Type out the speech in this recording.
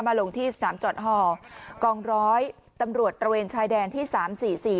ลงที่สนามจอดฮอกองร้อยตำรวจตระเวนชายแดนที่สามสี่สี่